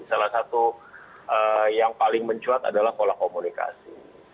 salah satu yang paling mencuat adalah pola komunikasi